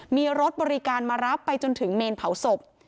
มีรถบริการมารับไปจนถึงเมนเผาศพ